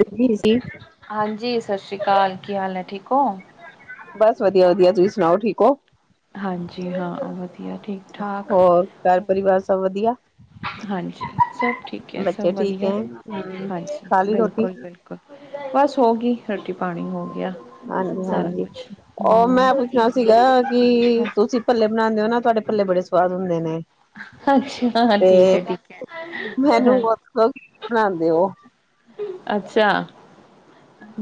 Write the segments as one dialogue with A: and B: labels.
A: [unintelligible] ਕੀ ਸੀ।
B: ਹਾਂਜੀ ਸਸ ਸ੍ਰੀ ਕਾਲ, ਕੀ ਹਾਲ ਹੈ ਠੀਕ ਹੋ।
A: ਬਸ ਵਧੀਆ-ਵਧੀਆ ਤੁਸੀਂ ਸੁਣਾਓ ਠੀਕ ਹੋ।
B: ਹਾਂਜੀ ਹਾਂ ਵਧੀ
A: ਹੋਰ ਘਰ ਪਰਿਵਾਰ ਸਭ ਵਧੀਆ।
B: ਹਾਂਜੀ ਸਭ ਠੀਕ ਹੈ ਸਭ
A: ਬੱਚੇ ਠੀਕ ਹੈ
B: ਵਧੀਆ
A: ਹਮ
B: ਹਾਂਜੀ
A: ਖਾ ਲਈ ਰੋਟੀ
B: ਬਿਲਕੁਲ ਬਿਲ ਬਸ ਹੋ ਗਈ ਰੋਟੀ ਪਾਣੀ ਹੋ ਗਿਆ
A: ਹਾਂਜੀ
B: ਸਾਰਾ
A: ਹਾਂਜੀ
B: ਕੁਛ
A: ਉਹ
B: ਹਮ।
A: ਮੈਂ ਪੁੱਛਣਾ ਸੀਗਾ ਕਿ ਤੁਸੀਂ ਭੱਲੇ ਬਣਾਦੇ ਹੋ ਨਾ ਤੁਹਾਡੇ ਭੱਲੇ ਬੜੇ ਸਵਾਦ ਹੁੰਦੇ ਨੇ।
B: ਅੱਛਾ ਹਾਂ, ਠੀਕ
A: ਤੇ
B: ਹੈ ਠੀਕ ਹੈ
A: ਮੈਨੂੰ [unintelligible] ਬਣਾਦੇ ਹੋ।
B: ਅੱਛਾ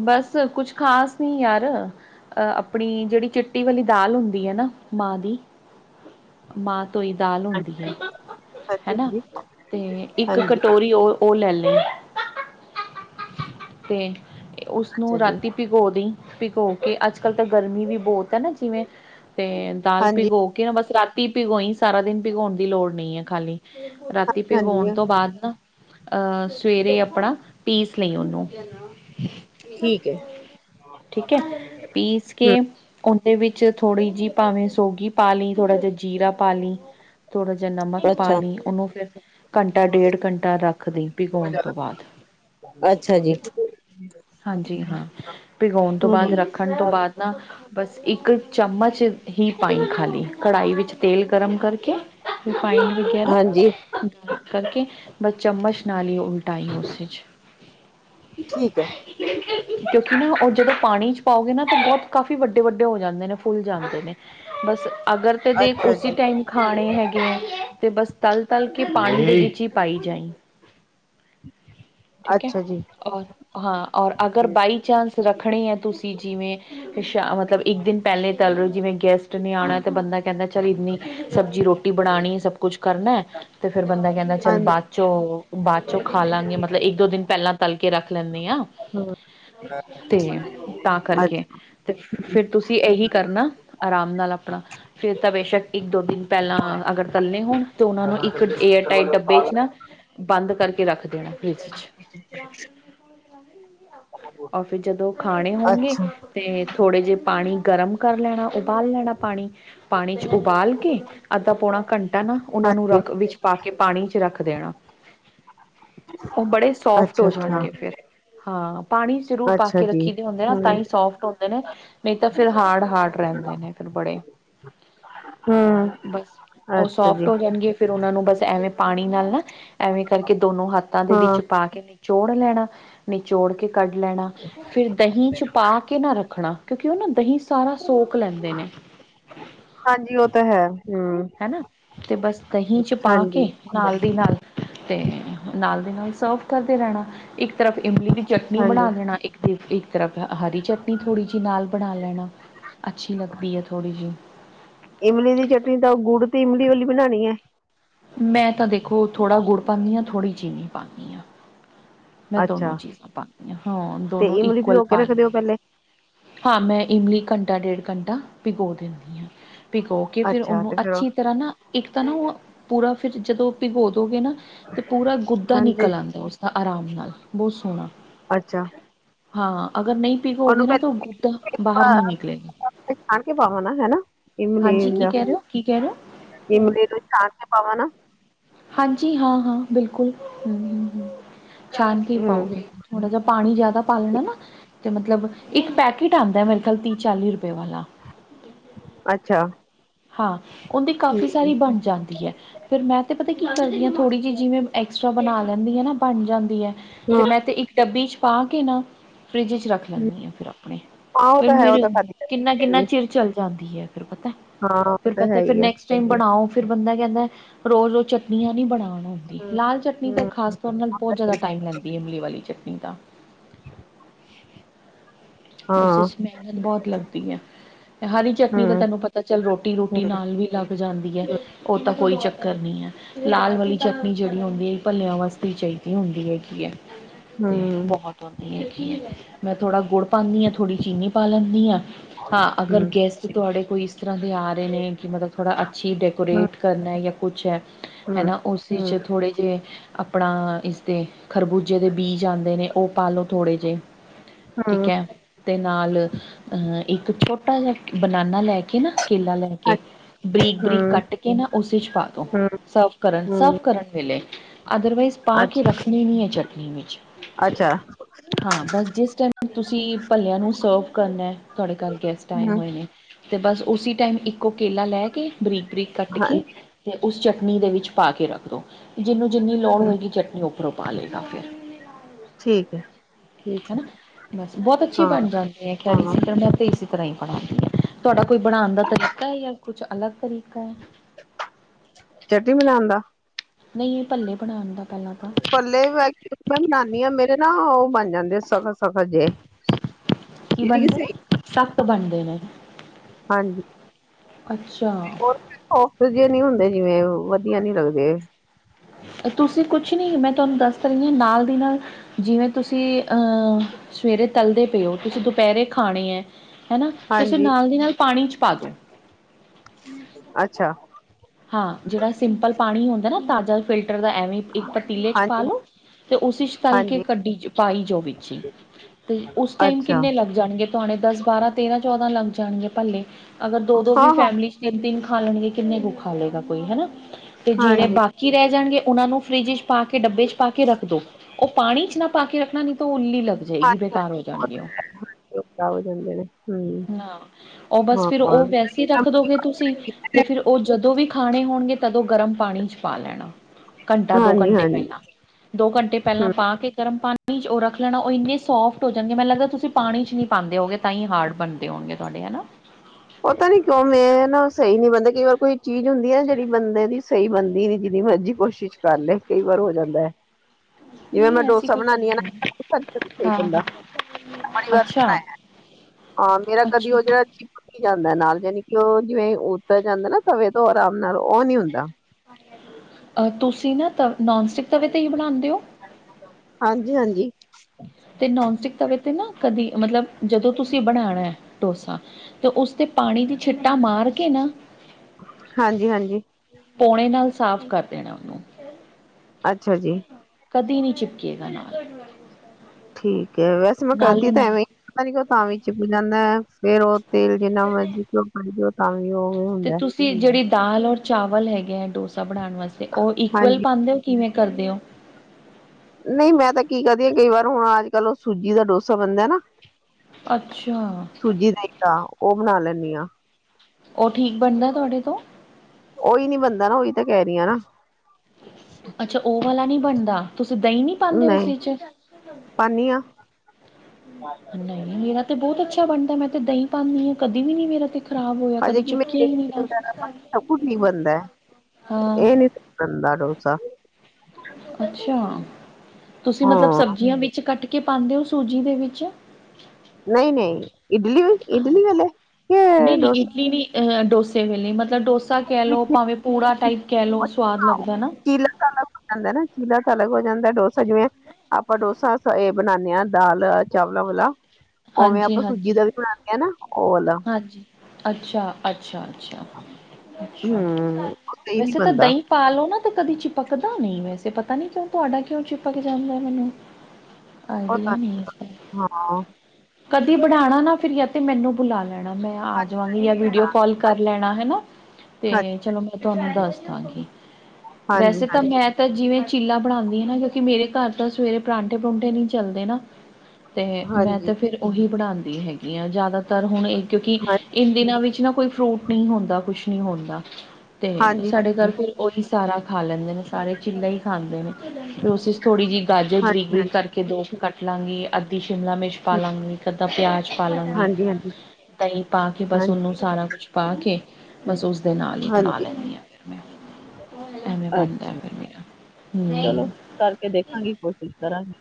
B: ਬਸ ਕੁਛ ਖਾਸ ਨੀ ਯਾਰ ਅਹ ਆਪਣੀ ਜਿਹੜੀ ਚਿੱਟੀ ਵਾਲੀ ਦਾਲ ਹੁੰਦੀ ਹੈ ਨਾ ਮਾਂ ਦੀ। ਮਾਂ ਤੋਈ ਦਾਲ ਹੁੰਦੀ ਹੈ
A: ਹਾਂਜੀ
B: ਹਨਾ ਤੇ ਇੱਕ ਕ
A: ਹਾਂਜੀ ਹਾਂਜੀ
B: ਟੋਰੀ ਉਹ, ਉਹ ਲੈ ਲੀ। ਤੇ
A: ਅੱਛਾ
B: ਉਸਨੂੰ
A: ਜੀ
B: ਰਾਤੀ ਭਿਗੋ ਦੀ ਭਿਗੋ ਕੇ ਅੱਜ ਕੱਲ੍ਹ ਤੇ ਗਰਮੀ ਵੀ ਬਹੁਤ ਐ ਨਾ ਜਿਵੇਂ ਤੇ ਦਾਲ
A: ਹਾਂਜੀ
B: ਭਿਗੋ ਕੇ ਨਾ ਬਸ ਰਾਤੀ ਭਿਗੋਈ ਸਾਰਾ ਦਿਨ ਭਿਗਉਣ ਦੀ ਲੋੜ ਨਹੀਂ ਹੈ ਖਾਲੀ। ਰਾਤੀ ਭਿਗਾਉਣ
A: ਹਾਂਜੀ
B: ਤੋਂ ਬਾਦ ਨਾ ਅਹ ਸਵੇਰੇ ਆਪਣਾ ਪੀਸ ਲਈ ਉਹਨੂੰ।
A: ਠੀਕ ਹੈ
B: ਠੀਕ ਐ, ਪੀਸ ਕੇ
A: ਹਮ
B: ਉਹਦੇ ਵਿੱਚ ਥੋੜ੍ਹੀ ਜਿਹੀ ਭਾਵੇਂ ਸੋਗੀ ਪਾ ਲਈ, ਥੋੜ੍ਹਾ ਜਾ ਜ਼ੀਰਾ ਪਾ ਲਈ ਥੋੜ੍ਹਾ ਜਿਹਾ ਨਮਕ ਪਾ
A: ਅੱਛਾ
B: ਲਈ, ਉਹਨੂੰ ਫੇਰ ਘੰਟਾ ਡੇਢ ਘੰਟਾ ਰੱਖ ਦੇ ਭਿਕਾਉਣ ਤੋਂ ਬਾਅਦ।
A: ਅੱਛਾ ਜੀ।
B: ਹਾਂਜੀ ਹਾਂ, ਭਿਗਾਉਣ ਤੋਂ ਬਾਅਦ
A: ਹਮ
B: ਰੱਖਣ ਤੋਂ ਬਾਅਦ ਨਾ ਬਸ ਇੱਕ ਚਮਚ ਹੀ ਪਾਈ ਖਾਲੀ, ਕੜਾਹੀ ਵਿੱਚ ਤੇਲ ਗਰਮ ਕਰਕੇ ਰਿਫਾਈਡ ਵਗੈਰਾ
A: ਹਾਂਜੀ
B: ਕਰਕੇ, ਬਸ ਚਮਚ ਨਾਲ ਹੀ ਉਲਟਾ ਈ ਉਸੇ 'ਚ।
A: ਠੀਕ ਐ।
B: ਕਿਉਂਕਿ ਨਾ ਉਹ ਜਦੋਂ ਪਾਣੀ ਚ ਪਾਓਗੇ ਨਾ, ਤਾਂ ਬਹੁਤ ਕਾਫ਼ੀ ਵੱਡੇ ਵੱਡੇ ਹੋ ਜਾਂਦੇ ਨੇ, ਫੁੱਲ ਜਾਂਦੇ ਨੇ। ਬਸ ਅਗਰ ਤਾਂ ਦੇਖ
A: ਅੱਛਾ
B: ਉਸਸੀ
A: ਜੀ
B: ਟਾਈਮ ਖਾਣੇ ਹੈਗੇ ਆ, ਤੇ ਬਸ ਤਲ ਤਲ ਕੇ ਪਾਣੀ ਦੇ ਵਿੱਚ ਹੀ ਪਾਈ ਜਾਈ। ਠੀਕ ਐ,
A: ਅੱਛਾ ਜੀ
B: ਔਰ ਹਾਂ, ਔਰ ਅਗਰ ਬਾਈ ਚਾਂਨਸ ਰੱਖਣੇ ਐ, ਤੁਸੀਂ ਜਿਵੇਂ ਸ਼ ਮਤਲਬ ਇੱਕ ਦਿਨ ਪਹਿਲੇ ਤਲ ਲ, ਜਿਵੇਂ ਗੈਸਟ ਨੇ ਆਣਾ ਤੇ ਬੰਦਾ ਕਹਿੰਦਾਂ ਚੱਲ ਇੰਨੀ ਸਬਜ਼ੀ, ਰੋਟੀ ਟੀ ਬਣਾਉਣੀ ਸਭ ਕੁਛ ਕਰਨਾ, ਤੇ ਫੇਰ ਬੰਦਾ ਕਹਿੰਦਾ ਚੱਲ
A: ਹਾਂਜੀ
B: ਬਾਅਦ ਚੋਂ ਬਾਅਦ ਚੋਂ ਖਾ ਲਾਂਗੇ ਮਤ ਮੈਂ ਇੱਕ ਦੋ ਦਿਨ ਪਹਿਲਾਂ ਤਲ ਕੇ ਰੱਖ ਲੈਂਨੀ ਐ।
A: ਹਮ
B: ਤੇ, ਤਾਂ
A: ਅੱ
B: ਕਰਕੇ। ਤੇ ਫਿਰ ਤੁਸੀਂ ਇਹੀ ਕਰਨਾ, ਆਰਾਮ ਨਾਲ ਆਪਣਾ ਫਿਰ ਤਾਂ ਬੇਸ਼ੱਕ ਇੱਕ ਦੋ ਦਿਨ ਪਹਿਲਾਂ ਅਗਰ ਤੱਲੇ ਹੋਣ, ਤੇ ਉਹਨਾਂ ਨੂੰ ਇੱਕ ਏਅਰ ਟਾਈਟ ਡੱਬੇ 'ਚ ਨਾ ਬੰਦ ਕਰਕੇ ਰੱਖ ਦੇਣਾ ਫਰਿੱਜ 'ਚ।
A: [inaudible]
B: ਉਹ ਫੇ ਜਦੋਂ ਖਾਣੇ ਹੋਣਗੇ
A: ਅੱਛਾ
B: ਤੇ ਥੋੜ੍ਹੇ ਜੇ ਪਾਣੀ ਗਰਮ ਕਰ ਲੈਣਾਂ, ਉਬਾਲ ਲੈਣਾ ਪਾਣੀ। ਪਾਣੀ 'ਚ ਉਬਾਲ ਕੇ ਅੱਧਾ ਪੌਣਾ ਘੰਟਾ ਨਾ, ਉਹਨਾਂ ਨੂੰ
A: ਹਾਂਜੀ
B: ਰੱਖ ਵਿੱਚ ਪਾ ਕੇ ਪਾਣੀ 'ਚ ਰੱਖ ਦੇਣਾ, ਉਹ ਬੜੇ ਸੋਫਟ
A: ਅੱਛਾ
B: ਹੋ
A: ਅੱਛਾ
B: ਜਾਣਗੇ ਫੇਰ। ਹਾਂ, ਪਾਣੀ ਚ' ਜ਼ਰੂਰ ਪਾ
A: ਅੱਛਾ
B: ਕੇ
A: ਜੀ
B: ਰੱਖੀ ਦੇ ਹੁੰਦੇ, ਨਾ ਤਾਂ
A: ਹਮ
B: ਹੀ ਸੋਫਟ ਹੁੰਦੇ ਨੇ ਨਹੀਂ ਤਾਂ ਫਿਰ ਹਾਰਡ ਹ ਹਾਰਡ ਰਹਿੰਦੇ ਨੇ ਫਿਰ ਬੜੇ।
A: ਹਮ
B: ਬਸ ਉਹ
A: ਅੱਛਾ ਜੀ
B: ਸੋਫਟ ਹੋ ਜਾਣਗੇ, ਤ ਫਿਰ ਉਹਨਾਂ ਨੂੰ ਬਸ ਐਵੇਂ ਪਾਣੀ ਨਾਲ ਨਾ, ਐਵੇਂ ਕਰਕੇ ਦੋਨੋ ਹੱਥਾਂ ਦੇ
A: ਹਾਂ
B: ਵਿੱਚ ਪਾ ਕੇ ਨਿਚੋੜ ਲੈਣਾ, ਨਿਚੋੜ ਕੇ ਕੱਢ ਲੈਣਾ। ਫਿਰ ਦਹੀਂ ਚ ਪਾ ਕੇ ਨਾ ਰੱਖਣਾ, ਕਿਉਂਕਿ ਉਹ ਨਾ ਦਹੀਂ ਸਾਰਾ ਸੋਕ ਲੈਂਦੇ ਨੇ।
A: ਹਾਂਜੀ, ਉਹ ਤਾਂ ਹੈ ਹੂੰ।
B: ਹੈਨਾ, ਤੇ ਬਸ ਦਹੀਂ 'ਚ ਪਾ ਕੇਂ ਨਾਲ ਦੀ ਨਾਲ ਤੇ ਨਾਲ ਦੀ ਨਾਲ ਸਰਵ ਕਰਦੇ ਰਹਿਣਾਂ। ਇੱਕ ਤਰਫ਼ ਇਮਲੀ ਦੀ ਚਟਨੀ
A: ਹਾਂਜੀ
B: ਬਣਾ ਦੇਣਾ, ਇੱਕ ਦੇ ਇੱਕ ਤਰਫ਼ ਹਰੀ ਚਟਨੀ ਥੋੜ੍ਹੀ ਜਿਹੀ ਨਾਲ ਬਣਾ ਲੈਣਾ, ਅੱਛੀ ਲੱਗਦੀ ਐ ਥੋੜ੍ਹੀ ਜੀ।
A: ਇਮਲੀ ਦੀ ਚਟਨੀ ਤਾਂ ਉਹ ਗੁੜ ਤੇ ਇਮਲੀ ਵਲੀ ਬਣਾਉਣੀ ਹੈਏ?
B: ਮੈਂ ਤਾਂ ਦੇਖੋਂ ਥੋੜ੍ਹਾ ਗੁੜ ਪਾਉਂਨੀ ਆ, ਥੋੜ੍ਹੀ ਚੀਨੀ ਪਾਉਂਨੀ ਆ‌। ਮੈਂ ਦੋਨੋ
A: ਅੱਛਾ
B: ਚੀਜ਼ਾਂ ਪਾਨੀ ਆ, ਹਾਂ
A: ਤੇ
B: ਦੋਨੋ
A: ਇਮਲੀ
B: ਇਕੁਅਲ
A: ਭਿਓ ਕੇ
B: ਪਾ
A: ਰੱਖਦੇ ਹੋ
B: ਲੈਂਨੀ ਆ।
A: ਪਹਿਲੇ
B: ਹਾਂ, ਮੈਂ ਇਮਲੀ ਘੰਟਾ ਡੇਢ ਘੰਟਾ ਭਿਗੋ ਦਿੰਨੀ ਆ। ਭਿਗੋ ਕੇ ਫਿਰ
A: ਅੱਛਾ
B: ਉਹਨੂੰ
A: ਤੇ ਫੇਰ
B: ਅੱਛੀ ਤਰ੍ਹਾਂ ਨਾ, ਇੱਕ ਤਾਂ ਨਾ ਉਹ ਪੂਰਾ ਫਿਰ ਜਦੋਂ ਭਿਗੋ ਦੋਗੇ ਨਾ, ਤੇ ਪੂਰਾ ਗੁੱਦਾ
A: ਹਾਂਜੀ
B: ਨਿਕਲ ਆਉਂਦਾ ਉਸਦਾ ਆਰਾਮ ਨਾਲ ਬਹੁਤ ਸੋਹਣਾ।
A: ਅੱਛਾ।
B: ਹਾਂ, ਅਗਰ ਨਹੀਂ ਭਿਗੋ
A: ਉਹਨੂੰ
B: ਗੇ ਨਾ, ਤਾਂ ਉਹ ਗੁਦਾ
A: ਪਹਿ
B: ਬਾਹਰ ਨੀ ਨਿਕਲੇਗਾ।
A: ਛਾਣ ਕੇ ਪਾਵਾ ਨਾ ਹਨਾ,
B: ਹਾਂਜੀ
A: ਇਮਲੀ
B: ਕੀ
A: ਜਾਂ
B: ਕਹਿ ਰਹੇ ਹੋ ਕੀ ਕਹਿ ਰਹੇ ਹੋ
A: ਇਮਲੀ ਨੂੰ ਛਾਣ ਕੇ ਪਾਵਾ ਨਾ।
B: ਹਾਂਜੀ ਹਾਂ ਹਾਂ ਬਿਲਕੁਲ, ਛਾਣ ਕੇ ਹੀ
A: ਹਮ
B: ਪਾਓਗੇ। ਥੋੜਾ ਜਿਹਾ ਪਾਣੀ ਜਿਆਦਾ ਪਾ ਲੈਣਾ ਨਾ। ਅਤੇ ਮਤਲਬ ਇੱਕ ਪੈਕਟ ਆਉਂਦਾ ਮੇਰੇ ਖਿਆਲ ਤੀਹ ਚਾਲੀ ਰੁਪਏ ਵਾਲਾ
A: ਅੱਛਾ।
B: ਹਾਂ, ਉਹਦੀ ਕਾਫ਼ੀ
A: ਹਮ
B: ਸਾਰੀ ਬਣ ਜਾਂਦੀ ਹੈ। ਫੇਿਰ ਮੈਂ ਤੇ ਪਤਾ ਕੀ ਕਰਦੀ ਹਾਂ, ਥੋੜੀ ਜਿਹੀ ਜਿਵੇਂ ਐਕਸਟਰਾ ਬਣਾ ਲੈਂਦੀ ਆ ਨਾ। ਬਣ ਜਾਂਦੀ ਹੈ ਤੇ
A: ਹਾਂ
B: ਮੈਂ ਤੇ ਇੱਕ ਡੱਬੀ 'ਚ ਪਾ ਕੇ ਨਾ, ਫਰਿੱਜ 'ਚ ਰੱਖ ਲੈਂਦੀ ਹਾਂ ਫਿਰ ਆਪਣੇ,
A: ਹਾਂ ਉਹ
B: ਫਿਰ
A: ਤਾਂ ਹੈ ਉਹ
B: ਮੇਰੇ
A: ਤਾਂ ਖਾਦੀ
B: ਕਿੰਨਾ
A: ਫਿਰ
B: ਕਿੰਨਾ
A: ਵੀ
B: ਚਿਰ ਚੱਲ ਜਾਂਦੀ ਹੈ ਫਿਰ ਪਤਾ
A: ਹਾਂ ਉਹ
B: ਫਿਰ
A: ਤਾਂ ਹੈ
B: ਪਤਾ ਫਿਰ
A: ਹੀ ਹੈ।
B: ਨੈਕਸਟ ਟਾਈਮ ਬਣਾਓ, ਫਿਰ ਬੰਦਾ ਕਹਿੰਦਾ ਰੋਜ਼ ਉਹ ਚਟਨੀਆਂ ਨਹੀਂ ਬਣਾਉਣ ਆਉਂਦੀ,
A: ਹੂੰ
B: ਲਾਲ ਚਟਨੀ
A: ਹੂੰ
B: ਤਾਂ ਖ਼ਾਸ ਤੌਰ ਨਾਲ ਬਹੁਤ ਜ਼ਿਆਦਾ ਟਾਈਮ ਲੈਂਦੀ ਹੈ ਇਮਲੀ ਵਾਲੀ ਚਟਨੀ। ਨਹੀਂਦਾ। ਉਸ
A: ਹਾਂ
B: 'ਚ ਮਿਹਨਤ ਬਹੁਤ ਲੱਗਦੀ ਹੈ ਤੇ ਹਰੀ ਚਟਨੀ ਤਾਂ
A: ਹੂੰ
B: ਤੈਨੂੰ ਪਤਾ ਤਾਂ ਚੱਲ ਰੋਟੀ
A: ਹੂੰ
B: ਰੋਟੀ ਨਾਲ ਵੀ ਲੱਗ ਜਾਂਦੀ ਹੈ,
A: ਹੂੰ
B: ਉਹ ਤਾਂ ਕੋਈ ਚੱਕਰ ਨਹੀਂ ਹੈ। ਲਾਲ ਵਾਲੀ ਚਟਨੀ ਜਿਹੜੀ ਹੁੰਦੀ ਹੈ, ਇਹ ਭਲਿਆਂ ਵਾਸਤੇ ਹੀ ਚਾਹੀਦੀ ਹੁੰਦੀ ਹੈਗੀ ਹੈ। ਤੇ
A: ਹੂੰ
B: ਬਹੁਤ ਹੁੰਦੀ ਹੈ ਕੀ ਮੈਂ ਥੋੜ੍ਹਾ ਗੁੜ ਪਾਉਂਦੀ ਹਾਂ, ਥੋੜ੍ਹੀ ਚੀਨੀ ਪਾ ਲੈਂਦੀ ਹੈ। ਹਾਂ ਅਗਰ
A: ਹੂੰ
B: ਗੈਸਟ ਤੁਹਾਡੇ ਕੋਈ ਇਸ ਤਰ੍ਹਾਂ ਦੇ ਆ ਰਹੇ ਨੇ, ਕਿ ਮਤਲਬ ਥੋੜ੍ਹਾ ਅੱਛੀ ਡੈਕੋਰੇਟ ਕਰਨਾ ਜਾਂ ਕੁਛ ਹੈ।
A: ਹੂੰ ਹੂੰ
B: ਹੈਨਾ, ਉਸ
A: ਹੂੰ
B: 'ਚ ਥੋੜ੍ਹੇ ਜਿਹੇ ਆਪਣਾ ਇਸਦੇ ਖਰਬੂਜੇ ਦੇ ਬੀਜ ਆਉਂਦੇ ਨੇ, ਉਹ ਪਾਲੋ ਥੋੜੇ ਜਿਹੇ। ਠੀਕ
A: ਹਾਂ।
B: ਹੈ ਤੇ ਨਾਲ ਅਹ ਇੱਕ ਛੋਟਾ ਜਿਹਾ ਬਨਾਨਾ ਲੈ ਕੇ ਨਾ, ਕੇਲਾ ਲੈ ਬਰੀਕ ਬਰੀਕ ਕੱਟ ਕੇ ਨਾ ਉਸੇ 'ਚ ਪਾ ਦੋ। ਸਰਵ
A: ਹੂੰ
B: ਸਰਵ ਕਰਨ ਵੇਲੇ, ਅਦਰਵਾਈਜ਼ ਪਾ ਕੇ
A: ਅੱਛਾ
B: ਰੱਖਣੀ ਨੀ ਹੈ ਚਟਨੀ ਵਿੱਚ।
A: ਅੱਛਾ।
B: ਹਾਂ, ਬਸ ਜਿਸ ਟਾਈਮ ਤੁਸੀਂ ਭੱਲਿਆਂ ਨੂੰ ਸਰਵ ਕਰਨਾ ਤੁਹਾਡੇ ਘਰ ਗੈਸਟ ਆਏ
A: ਹੂੰ
B: ਹੋਏ ਨੇ ਅਤੇ ਬਸ ਉਸੀ ਟਾਈਮ ਇੱਕੋ ਕੇਲਾ ਲੈ ਕੇ ਬਰੀਕ ਬਰੀਕ ਕੱਟ ਕੇ
A: ਹਾਂਜੀ
B: ਤੇ ਉਸ ਚਟਨੀ ਦੇ ਵਿੱਚ ਪਾ ਕੇ ਰੱਖਦੋ। ਜਿਹਨੂੰ ਜਿੰਨੀ ਲੋੜ
A: ਹਮ,
B: ਹੋਏਗੀ ਚਟਨੀ ਉੱਪਰੋਂ ਪਾ ਲਏਗਾ ਫਿਰ।
A: ਠੀਕ ਹੈ, ਠੀਕ ਹੈ।
B: ਅਛੀ
A: ਹਾਂ
B: ਬਣ ਜਾਂਦੇ ਆ ਇਸ
A: ਹਾਂ
B: ਤਰ੍ਹਾਂ, ਮੈਂ ਤੇ ਇਸ ਤਰ੍ਹਾਂ ਹੀ ਬਣਾਉਂਦੀ, ਤੁਹਾਡਾ ਕੋਈ ਬਣਾਉਣ ਦਾ ਤਰੀਕਾ ਹੈ ਜਾਂ ਕੁਛ ਅਲੱਗ ਤਰੀਕਾ ਹੈ
A: ਚਟਨੀ ਬਣਾਉਣ ਦਾ?
B: ਨਹੀਂ, ਪੱਲੇ ਬਣਾਉਣ ਦਾ। ਪਹਿਲਾਂ ਤਾਂ
A: ਪੱਲੇ ਮੈਂ ਬਨਾਉਦੀ ਹਾਂ ਮੇਰੇ ਨਾ ਉਹ ਬਣ ਜਾਂਦੇ ਆ, ਸਖਤ ਸਖਤ ਜਿਹੇ
B: ਕੀ ਬਣਦੇ ਨੇ, ਸਖਤ ਬਣਦੇ ਨੇ। ਅੱਛਾ।
A: ਔ ਜਿਹੇ ਨੀ ਹੁੰਦੇ ਜਿਵੇਂ, ਵਧੀਆ ਨੀ ਲੱਗਦੇ।
B: ਤੁਸੀਂ ਕੁਛ ਨਹੀਂ, ਮੈਂ ਤੁਹਾਨੂੰ ਦੱਸ ਰਹੀ ਹਾਂ ਨਾਲ ਦੀ ਨਾਲ। ਜਿਵੇਂ ਤੁਸੀਂ ਅਹ ਸਵੇਰੇ ਤਲਦੇ ਪਏ ਹੋ, ਤੁਸੀਂ ਦੁਪਹਿਰੇ ਖਾਣੇ ਹੈ। ਹਨਾ, ਤੇ ਫਿਰ
A: ਹਾਂਜੀ
B: ਨਾਲ ਦੀ ਨਾਲ ਪਾਣੀ 'ਚ ਪਾ ਦੋ।
A: ਅੱਛਾ।
B: ਹਾਂ ਜਿਹੜਾ ਸਿੰਪਲ ਪਾਣੀ ਹੁੰਦਾ ਨਾ, ਤਾਜ਼ਾ ਫਿਲਟਰ ਦਾ ਐਵੇਂ ਇੱਕ ਪਤੀਲੇ 'ਚ
A: ਹਾਂਜੀ
B: ਪਾਾਲੋ ਤੇ ਉਸ 'ਚ ਤਲ
A: ਹਾਂਜੀ
B: ਕੇ ਕੱਢੀ ਪਾਈ ਜੋ ਓਸ ਵਿੱਚ ਹੀ। ਤੇ ਉਸ ਟਾਈਮ
A: ਅੱਛਾ
B: ਕਿੰਨੇ ਲੱਗਦੇ, ਜਾਣਗੇ ਤੁਹਾਣੇ ਦਸ, ਬਾਰਾਂ, ਤੇਰਾਂ, ਚੌਦਾਂ ਲੱਗ ਜਾਣਗੇ ਭੱਲੇ, ਅਗਰ ਦੋ ਦੋ
A: ਹਾਂ
B: ਵੀ
A: ਹਾਂ
B: ਫੈਮਲੀ ਤਿੰਨ-
A: ਹਾਂਜੀ
B: ਤਿੰਨ ਖਾ ਲੈਣਗੇ, ਕਿੰਨੇ ਕੁ ਖਾ ਲਏਗਾ ਕੋਈ, ਹਨਾ ਤੇ ਜਿਹੜੇ
A: ਹਾਂਜੀ
B: ਬਾਕੀ ਜੇ ਰਹਿ ਜਾਣਗੇ, ਉਹਨਾਂ ਨੂੰ ਫਰਿਜ ਚ ਪਾ ਕੇ, ਡੱਬੇ ਚ ਪਾ ਕੇ ਰੱਖ ਦੋ ਉਹ ਪਾਣੀ ਚ, ਨਾ ਪਾ ਕੇ ਰੱਖਣਾ ਨਹੀਂ ਤਾਂ, ਉਹ ਉੱਲੀ ਲੱਗ ਜਾਣਗੇ,
A: ਹਾਂਜੀ
B: ਬੇਕਾਰ ਹੋ ਜਾਣਗੇ ਉਹ
A: ਖਰਾਬ ਹੋ ਜਾਂਦੇ ਨੇ ਹਮ
B: ਨਾ ਉਹ ਬਸ,
A: ਹਾਂ
B: ਫਿਰ ਉਹ ਵੈਸੇ ਹੀ
A: ਹਾਂ
B: ਰੱਖ ਦੋਗੇ ਤੁਸੀਂ ਤੇ ਫਿਰ ਉਹ ਜਦੋਂ ਵੀ ਖਾਣੇ ਹੋਣਗੇ, ਤਦੋਂ ਗਰਮ ਪਾਣੀ ਚ ਪਾ ਲੈਣਾ, ਘੰਟਾ ਦੋ
A: ਹਾਂਜੀ
B: ਘੰਟੇ
A: ਹਾਂਜੀ
B: ਪਹਿਲਾਂ ਦੋ ਘੰਟੇ ਪਹਿਲਾਂ
A: ਹਮ
B: ਪਾ ਕੇ ਗਰਮ ਪਾਣੀ ਚ, ਉਹ ਰੱਖ ਲੈਣਾ, ਉਹ ਇੰਨੇ ਸੋਫਟ ਹੋ ਜਾਂਣਗੇ ਮੈਨੂੰ ਲੱਗਦਾ ਤੁਸੀਂ ਪਾਣੀ 'ਚ ਨਹੀਂ ਪਾਉਂਦੇ ਹੋਗੇ, ਤਾਂ ਹੀ ਹਾਰਡ ਬਣਦੇ ਹੋਣਗੇ, ਤੁਹਾਡੇ ਹੈ ਨਾ
A: ਪਤਾ ਨਈ, ਕਿਉਂ ਮੇ ਨਾ ਉਹ ਸਹੀ ਨਈ ਬਣਦੀ, ਕਈ ਵਾਰ ਕੋਈ ਚੀਜ਼ ਹੁੰਦੀ ਹੈ, ਨਾ ਜਿਹੜੀ ਬੰਦੇ ਦੀ ਸਹੀ ਬਣਦੀ ਨਈ, ਜਿਨੀ ਮਰਜ਼ੀ ਕੋਸ਼ਿਸ਼ ਕੁਛ ਗੱਲ, ਕਈ ਵਾਰ ਹੋ, ਜਾਂਦਾ ਜਿਵੇਂ
B: ਨਹੀਂ
A: ਮੈਂ,
B: ਐਸੀ
A: ਡੋਸਾ
B: ਕੋਈ ਗੱਲ
A: ਬਣਾਣੀ ਆ ਨਾ,
B: ਨਹੀਂ।
A: ਸਹੀ ਨਈ
B: ਹਾਂ ਹਾਂ,
A: ਬਣਦਾ ਬੜੀ ਵਾਰ
B: ਅੱਛਾ,
A: ਬਣਾਇਆ ਆ ਮੇਰਾ ਕਦੀ
B: ਅੱਛਾ
A: ਹੋ ਜਿਹੜਾ ਚਿਪਕੀ ਜਾਂਦਾ ਨਾਲ, ਜਾਣੀ ਕਿ ਉਹ ਜਿਵੇਂ, ਉਤਰ ਜਾਂਦਾ ਨਾ ਤਵੇ ਤੋਂ, ਆਰਾਮ ਨਾਲ ਉਹ ਨੀ ਹੁੰਦਾ
B: ਅ ਤੁਸੀਂ ਨਾ ਨੋਨ ਸਟਿਕ ਤਵੇ ਤੇ, ਹੀ ਬਣਾਉਂਦੇ ਹੋ?
A: ਹਾਂਜੀ -ਹਾਂਜੀ।
B: ਤੇ ਨੋਨ ਸਟਿਕ ਤਵੇ ਤੇ ਨਾ, ਕਦੀ ਮਤਲਬ ਜਦੋਂ ਤੁਸੀਂ ਬਣਾਣਾ, ਹੈ ਡੋਸਾ ਤੇ ਉਸ ਤੇ ਪਾਣੀ ਦੀ ਛਿੱਟਾ, ਮਾਰ ਕੇ ਨਾ
A: ਹਾਂਜੀ ਹਾਂਜੀ
B: ਪੌਣੇ ਨਾਲ, ਸਾਫ਼ ਕਰ ਲੈਣਾ
A: ਅੱਛਾ ਜੀ।
B: ਕਦੀ ਨਹੀਂ, ਚਿਪਕੇਗਾ ਨਾਲ
A: ਠੀਕ ਹੈ, ਵੈਸੇ ਮੈਂ ਕਰਦੀ
B: ਨਾਲੋਂ
A: ਤਾਂ
B: ਨਾਲ
A: ਐਵੇਂ ਹੀ, ਪਤਾ ਨਈ ਤਾਂ ਵੀ, ਚਿਪਕ ਜਾਂਦਾ ਫੇਰ ਉਹ ਤੇਲ ਜਿੰਨਾ ਮਰਜ਼ੀ ਘਿਓ ਪਾਈ, ਜਾਓ ਤਾਂ ਵੀ ਉਹ
B: ਤੇ ਤੁਸੀਂ, ਜਿਹੜੀ ਦਾਲ ਔਰ ਚਾਵਲ ਹੈਗੇ ਹੈ, ਡੋਸਾ ਬਣਾਉਣ ਵਾਸਤੇ, ਉਹ ਇਕੁਅਲ
A: ਹਾਂਜੀ
B: ਪਾਉਂਦੇ ਹੋ ਕਿਵੇਂ ਕਰਦੇ ਹੋ?
A: ਨਹੀਂ ਮੈਂ ਤਾਂ ਕੀ ਕਰਦੀ ਹਾਂ, ਕਈ ਵਾਰ ਹੁਣ ਅੱਜ -ਕੱਲ ਉਹ ਸੂਜੀ ਦਾ, ਡੋਸਾ ਬਣਦਾ ਨਾ
B: ਅੱਛਾ।
A: ਸੂਜੀ ਦਹੀ ਦਾ, ਉਹ ਬਣਾ ਲੈਂਦੀ ਆ
B: ਉਹ ਠੀਕ, ਬਣਦਾ ਤੁਹਾਡੇ ਤੋਂ
A: ਓਹੀ ਨਈ ਬਣਦਾ ਨਾ, ਉਹੀ ਤਾਂ ਕਹਿ ਰਹੀ ਆਂ ਨਾ
B: ਅੱਛਾ, ਉਹ ਵਾਲਾ ਨਹੀਂ ਬਣਦਾ, ਤੁਸੀਂ ਦਹੀਂ ਨਹੀਂ, ਪਾਉਦੇ ਉਸ ਚ
A: ਪਾਨੀਂ ਹਾਂ ਮ [inaudible]
B: ਨਹੀਂ ਮੇਰਾ ਤੇ ਬਹੁਤ ਅੱਛਾ ਬਣਦਾ, ਮੈਂ ਤੇ ਦਹੀਂ ਪਾਨੀਂ ਹਾਂ, ਕਦੀ ਵੀ ਨੀ ਮੇਰਾ ਤੇ ਖ਼ਰਾਬ ਹੋਇਆ
A: ਹਜੇ
B: ਕਦੀ
A: ਕਿ ਮੈ
B: ਚਿਪਕਿਆ ਹੀ ਨਹੀਂ ਨਾ।
A: ਸਭ ਕੁਛ ਨ ਬਣਦਾ
B: ਹਾਂ
A: ਇਹ ਨੀ ਗੰਦਾ, ਡੋਸਾ।
B: ਅੱਛਾ, ਤੁਸੀਂ ਮਤਲਬ
A: ਹਾਂ
B: ਸਬਜ਼ੀਆਂ ਵਿੱਚ ਕੱਟ ਕੇ ਪਾਉਂਦੇ ਹੋ, ਸੂਜੀ ਦੇ ਵਿੱਚ
A: ਨਹੀਂ- ਨਹੀਂ ਇਡਲੀ ਵੀ ਇਡਲੀ ਵਾਲੇ ਕਿ
B: ਨਹੀਂ-ਨਹੀਂ
A: ਡੋਸਾ
B: ਇਡਲੀ ਨੀ ਡੋਸੇ ਵੇਲੇ, ਮਤਲਬ ਡੋਸਾ ਕਹਿ
A: ਵਿੱਚ
B: ਲਉ, ਭਾਵੇਂ ਪੂੜਾ ਟਾਈਪ ਕਹਿ ਲਉ, ਸਵਾਦ ਲੱਗਦਾ ਨਾ
A: ਚੀਲਾ ਤਾਂ ਅਲੱਗ ਹੋ ਜਾਂਦਾ, ਨਾ ਚੀਲਾ ਤਾਂ ਅਲਗ ਹੋ ਜਾਂਦਾ, ਡੋਸਾ ਜਿਵੇਂ ਆਪਾਂ ਡੋਸਾ, ਇਹ ਬਣਾਉਦੇ ਹਾਂ ਦਾਲ ਚਾਵਲਾਂ ਵਾਲਾ ਉਵੇਂ
B: ਹਾਂਜੀ,
A: ਆਪਾਂ ਸੂਜੀ
B: ਹਾਂਜੀ-
A: ਦਾ ਵੀ ਬਣਾਦੇ ਆ ਨਾ ਉਹ ਵਾਲਾ
B: ਹਾਂਜੀ ਅੱਛਾ, ਅੱਛਾ- ਅੱਛਾ ਅੱ
A: ਹੂੰ ਉਹ ਸਹੀ ਨੀ
B: ਵੈਸੇ ਤਾਂ
A: ਬਣਦਾ
B: ਦਹੀਂ ਪਾਲੋ ਨਾ ਤੇ, ਕਦੀ ਚਿਪਕਦਾ ਨਹੀਂ ਵੈਸੇ ਪਤਾ ਨਈ, ਕਿਉਂ ਤੁਹਾਡਾ, ਕਿਉਂ ਚਿਪਕ ਜਾਂਦਾ ਮੈਨੂੰ
A: [inaudible]
B: ਆਈ ਡੀਆ ਨਹੀਂ ਸੀ।
A: ਹਾਂ
B: ਕਦੀ ਬਣਾਉਣਾ ਨਾ ਫਿਰ ਯ ਤੇ ਮੈਨੂੰ ਬੁਲਾ ਲੈਣਾ ਫਿਰ। ਆ ਜਾਵਾਂਗੀ ਜਾਂ ਵੀਡੀਓ ਕਾਲ ਕਰ ਲੈਣਾ ਹਨਾ। ਤੇ ਚਲੋ ਮੈਂ ਤੁਹਾਨੂੰ ਦੱਸ ਦਾਂਗੀ।
A: ਹਾਂਜੀ।
B: ਵੈਸੇ ਤਾਂ
A: ਹਾਂਜੀ
B: ਮੈਂ ਤਾਂ ਜਿਵੇਂ ਚੀਲਾ ਬਣਾਉਂਦੀ ਹ ਨਾ ਕਿਉਂਕਿ ਮੇਰੇ ਘਰ ਤਾਂ ਸਵੇਰੇ ਪਰਾਂਠੇ ਪਰੁੰਠੇ ਨਹੀਂ ਚੱਲਦੇ ਨਾ। ਤੇ ਮੈਂ
A: ਹਾਂਜੀ
B: ਤੇ ਫਿਰ ਉਹੀ ਬਣਾਉਂਦੀ ਹੈਗੀ ਹਾਂ, ਜ਼ਿਆਦਾਤਰ ਹੁਣ ਇਹ ਕਿਉਂਕਿ।
A: ਹਾਂਜੀ
B: ਦਿਨਾਂ ਵਿੱਚ ਨਾ ਕੋਈ ਫਰੂਟ ਨੀ ਹੁੰਦਾ ਕੁਛ ਨੀ ਹੁੰਦਾ ਤੇ
A: ਹਾਂਜੀ ਹਾਂਜੀ
B: ਸਾਡੇ ਘਰ ਕੋ। ਉਹੀ ਸਾਰਾ ਖਾ ਲੈਂਦੇ ਨੇ ਸਾਰੇ ਚੀਲਾ ਹੀ ਖਾਂਦੇ ਨੇ, ਫਿਰ ਉਸ ਚ ਥੋੜ੍ਹੀ ਜਿਹੀ ਗਾਜਰ ਬਰੀਕ ਬਰੀਕ
A: ਹਾਂਜੀ
B: ਕਰਕੇ। ਕੇ ਦੋਸਤ ਕਟ ਲਾਂਗੀ ਅੱਧੀ ਸ਼ਿਮਲਾ ਮਿਰਚ। ਪਾ ਲਾਂਗੀ ਇੱਕ ਅੱਧਾਂ ਪਿਆਜ ਪਾ ਲਾਂਗੀ
A: ਹਾਂਜੀ ਹਾਂਜੀ ਹਾਂਜੀ
B: ਦਹੀਂ ਪਾ ਕੇ ਬਸ
A: ਹਾਂਜੀ
B: ਉਹਨੂੰ ਸਾਰਾ ਕੁਛ। ਪਾ ਕੇ ਬਸ
A: ਹੂੰ
B: ਉਸਦੇ ਨਾਲ ਹੀ ਬਣਾ
A: ਹਾਂਜੀ
B: ਲੈਂਣੇ ਹਾਂ। ਐਵੇਂ ਬਣਦਾ
A: ਅੱਛਾ
B: ਫਿਰ ਮੇਰਾ ਹੂੰ।
A: ਚਲੋ ਕਰਕੇ ਦੇਖਾਂਗੀ ਕੋਸ਼ਿਸ਼ ਕਰਾਂਗੀ।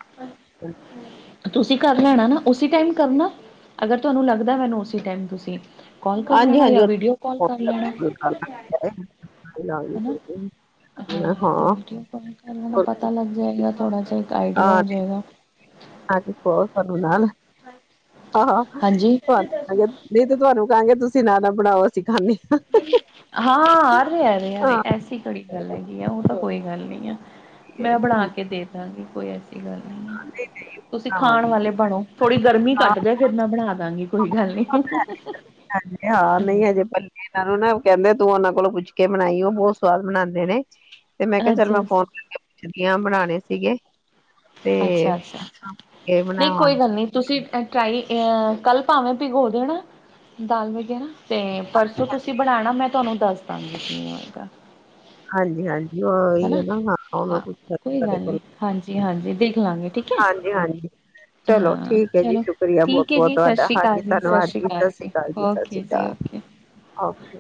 B: ਤੁਸੀਂ ਕਰ ਲੈਣਾ ਨਾ ਉਸ ਟਾਈਮ ਕਰਨਾ ਅਗਰ ਤੁਹਾਨੂੰ ਲੱਗਦਾ ਮੈਨੂੰ ਉਸ ਟਾਈਮ ਤੁਸੀਂ। ਕੋਲ ਕਰ
A: ਹਾਂਜੀ
B: ਲੈਣਾ
A: ਹਾਂਜੀ
B: ਜਾਂ
A: ਉਹ
B: ਵੀਡੀਓ
A: ਤਾਂ
B: ਕੋਲ
A: ਫੋਨ
B: ਕਰ ਲੈਣਾ।
A: ਕਰਕੇ ਗੱਲ ਕਰਾਂਗੇ, ਲਾਂਗੇ
B: ਹਾਂ
A: ਕੋਈ ਨੀ। ਹਾਂ
B: ਵੀਡੀਓ ਕਲ ਕਰ ਪਤਾ ਲੱਗ ਜਾਏਗਾ ਥੋੜਾ ਜਿਹਾ ਗਾਈਡਇੱਕ ਆਈ।
A: ਹਾਂ ਹਾਂਜੀ ਬਹੁਤ ਤੁਹਾਨੂੰ ਨਾਲ। ਹਾਂ ਹਾਂ
B: ਹਾਂਜੀ
A: ਤੁੂੰਹਾਨੂ ਨਹੀਂ ਤੇ, ਤੁਹਾਨੂੰ ਕਹਿਣ ਗੇ ਤੁਸੀਂ ਨਾਲ ਨਾਲ ਬਣਾਓ ਅਸੀਂ ਖਾਂਦੇ।
B: ਹਾਂ। ਹਾਂ ਅਰੇ
A: ਹਾਂ
B: ਅਰੇ, ਅਸੀ ਘੜੀ ਗੱਲ ਹੈਗੀ ਆ ਉਹ
A: ਹਾਂ
B: ਤਾਂ ਕੋਈ ਗੱਲ ਨਹੀਂ ਆ। ਮੈਂ ਬਣਾ ਕੇ ਦੇ ਦਾਂਗੀ ਕੋਈ ਐਡੀ ਗੱਲ ਨਹੀਂ ਹੈ ਤੁਸੀਂ ਖਾਣ
A: ਬਣਾਵਾਂਗੇ।
B: ਵਾਲੇ ਬਣੋ। ਥੋੜੀ ਗਰਮੀ
A: ਹਾਂ,
B: ਘੱਟ ਜਾਏ ਫਿਰ ਮੈਂ ਬਣਾ ਦਵਾਂ ਕੋਈ ਗੱਲ। ਨਹੀਂ
A: ਹਾਂ ਨਹੀਂ ਹਜੇ। ਇਹਨਾਂ ਨੂੰ ਨਾ ਕਹਿੰਦੇ ਤੂੰ ਉਹਨਾਂ ਕੋਲੋਂ ਪੁੱਛ ਕੇ ਬਣਾਈ ਉਹ ਬਹੁਤ ਸਵਾਦ ਬਣਾਂਦੇ ਨੇ। ਤੇ ਮੈਂ ਕਿਹਾ ਚੱਲ ਮੈਂ
B: ਅੱਛਾ ਅੱਛਾ
A: ਫੋਨ ਕਰਕੇ ਪੁੱਛਦੀ ਹ, ਬਣਾਣੇ ਸੀਗੇ। ਤੇ
B: ਅੱਛਾ ਅੱਛਾ ਅੱਛਾ
A: ਇਹ
B: ਨਹੀਂ ਕੋਈ
A: ਬਣਾਵਾਂਗੀ।
B: ਗੱਲ ਨਹੀਂ ਤੁਸੀਂ ਟਰਾਈ ਕੱਲ੍ਹ ਭਾਵੇਂ ਭਿਗੋ ਦੇਣਾ ਦਾਲ ਵਗੈਰਾ। ਤੇ ਪਰਸੋਂ ਤੁਸੀਂ ਬਣਾਣਾ, ਮੈਂ ਤੁਹਾਨੂੰ ਦੱਸ ਦਵਾਗੀ।
A: ਹਾਂਜੀ ਹਾਂਜੀ ਇਹੀ ਹੈ ਨਾ ਹਾਂ ਉਹ ਪੁੱਛਣਾ ਸੀ
B: ਕੋਈ
A: ਤੁਹਾਡੇ
B: ਗੱਲ ਨਹੀਂ
A: ਕੋਲੋਂ।
B: ਹਾਂਜੀ ਹਾਂਜੀ ਦੇਖ ਲਾਂਗੇ ਠੀਕ ਹੈ।
A: ਹਾਂਜੀ ਚਲੋ
B: ਹਾਂ
A: ਠੀਕ ਹੈ ਜੀ
B: ਚਲੋ
A: ਸ਼ੁਕਰੀਆ ਬਹੁਤ
B: ਠੀਕ ਹੈ
A: ਬਹੁਤ
B: ਜੀ ਸਤਿ
A: ਤੁਹਾਡਾ
B: ਸ਼੍ਰੀ
A: ਹਾਂਜੀ
B: ਅਕਾਲ
A: ਧੰਨਵਾਦ ਜੀ ਸਤਿ ਸ਼੍ਰੀ ਅਕਾਲ, ਜੀ ਸਤਿ ਸ਼੍ਰੀ
B: ਓਕੇ ਜੀ
A: ਅਕਾਲ।
B: Okay
A: okay.